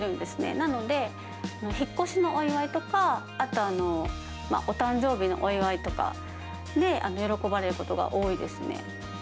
なので、引っ越しのお祝いとか、あとはお誕生日のお祝いとかで、喜ばれることが多いですね。